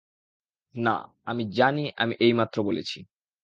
না, আমি জানি আমি এইমাত্র বলেছি।